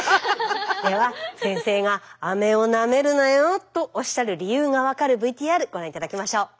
では先生が「アメをなめるなよ」とおっしゃる理由が分かるＶＴＲご覧頂きましょう。